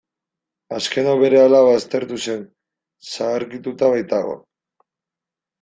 Azken hau berehala baztertu zen, zaharkituta baitago.